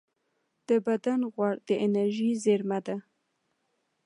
د بدن غوړ د انرژۍ زېرمه ده